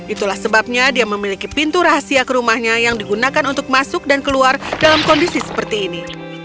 itulah sebabnya dia memiliki pintu rahasia ke rumahnya yang digunakan untuk masuk dan keluar dalam kondisi seperti ini